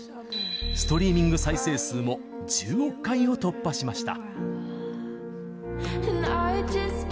ストリーミング再生数も１０億回を突破しました。